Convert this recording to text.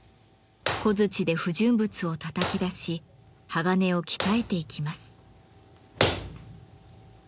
小づちで不純物をたたき出し鋼を鍛えていきます。